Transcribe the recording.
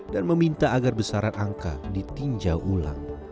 dan meminta agar besaran angka ditinjau ulang